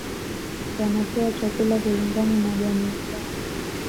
Wanapewa chakula kulingana na jamii zao